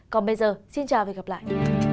còn bây giờ xin chào và hẹn gặp lại